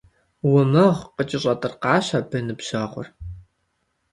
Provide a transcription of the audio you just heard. Умыгъ! – къыкӀэщӀэтӀыркъащ абы ныбжьэгъур.